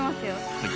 はい。